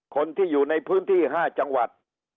คนที่อยู่ในพื้นที่๕จังหวัด